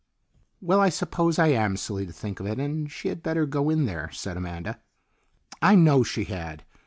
"Well, I suppose I am silly to think of it, and she had better go in there," said Amanda. "I know she had.